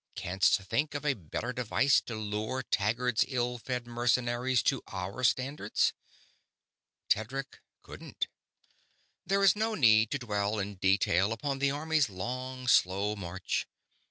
Canst think of a better device to lure Taggad's ill fed mercenaries to our standards?" Tedric couldn't. There is no need to dwell in detail upon the army's long, slow march.